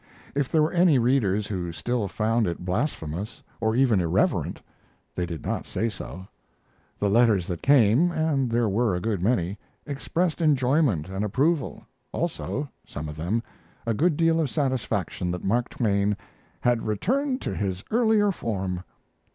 If there were any readers who still found it blasphemous, or even irreverent, they did not say so; the letters that came and they were a good many expressed enjoyment and approval, also (some of them) a good deal of satisfaction that Mark Twain "had returned to his earlier form."